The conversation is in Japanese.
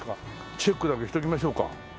チェックだけしときましょうか。